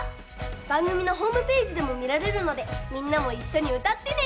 ばんぐみのホームページでもみられるのでみんなもいっしょにうたってね！